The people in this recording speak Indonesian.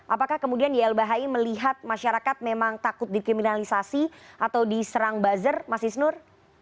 apakah kemudian ylbhi melihat masyarakat memang takut dikriminalisasi atau diserang buzzer mas isnur